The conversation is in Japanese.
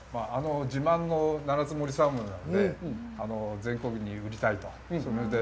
自慢の七ツ森サーモンなので、全国に売りたいと。